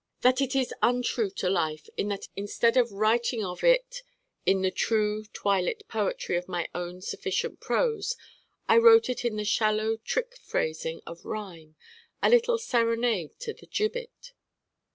that it is untrue to life in that instead of writing of it in the true twilit poetry of my own sufficient prose I wrote it in the shallow trick phrasing of rhyme, a little serenade to the gibbet.